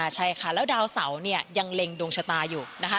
ใช่ค่ะแล้วดาวเสาเนี่ยยังเล็งดวงชะตาอยู่นะคะ